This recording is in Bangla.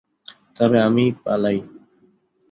তবে আমি পালাই।